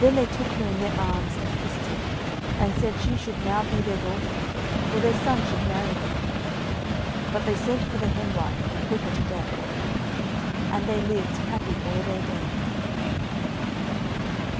Then they took her in their arms and kissed her, and said she should now be their daughter, for their son should marry her. But they sent for the hen wife and put her to death. And they lived happy all their days.